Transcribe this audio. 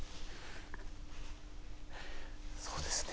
そうですね。